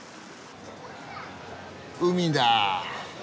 海だ。